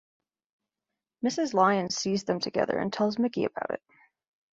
Mrs Lyons sees them together and tells Mickey about it.